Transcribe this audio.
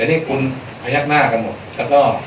เดี๋ยวนี่กุลพยักหน้ากันหมดก็ก็